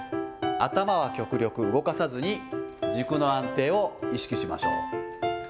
頭は極力動かさずに、軸の安定を意識しましょう。